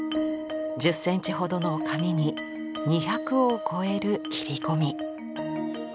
１０ｃｍほどの紙に２００を超える切り込み。